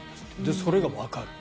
それがわかると。